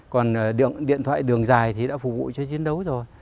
còn điện thoại đường dài thì đã phục vụ cho chiến đấu rồi